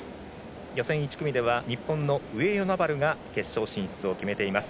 予選１組で日本の上与那原が決勝進出を決めています。